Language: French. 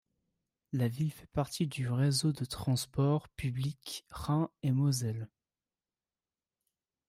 La ville fait partie du réseau de transport public Rhin et Moselle.